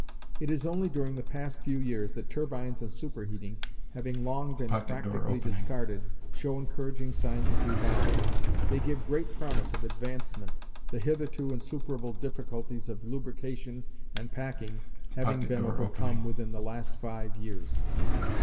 It is only during the past few years that turbines and superheating, having long been practically discarded, show encouraging signs of revival. They give great promise of advancement, the hitherto insuperable difficulties of lubrication and packing having been overcome within the last five years.